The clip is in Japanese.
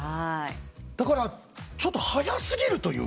だからちょっと早過ぎるというか。